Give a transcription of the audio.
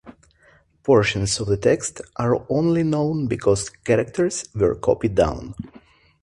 Portions of the text are only known because characters were copied down.